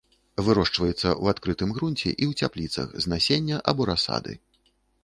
Вырошчваецца ў адкрытым грунце і ў цяпліцах з насення або расады.